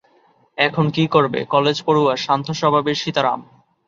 এখন কি করবে কলেজ পড়ুয়া শান্ত স্বভাবের সীতারাম?????